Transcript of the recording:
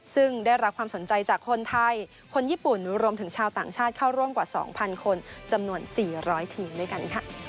ซึ่งได้รับความสนใจจากคนไทยคนญี่ปุ่นรวมถึงชาวต่างชาติเข้าร่วมกว่า๒๐๐คนจำนวน๔๐๐ทีมด้วยกันค่ะ